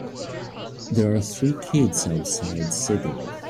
There are three kids outside sitting.